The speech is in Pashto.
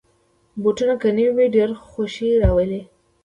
بوټونه که نوې وي، ډېر خوښي راولي.